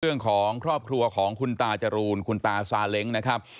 เรื่องของครอบครัวของคุณตาจรูนคุณตาซาเล้งนะครับ